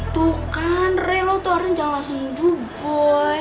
tuh kan rey lo tuh harusnya jangan langsung duduk boy